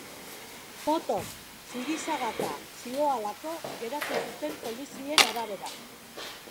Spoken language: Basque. Motoz, sigi-sagaka zihoalako geratu zuten polizien arabera.